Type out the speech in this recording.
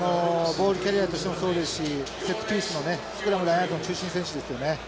ボールキャリアとしてもそうですしセットピースのねスクラムラインアウトの中心選手ですよね。